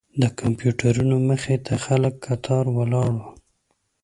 د کمپیوټرونو مخې ته خلک کتار ولاړ وو.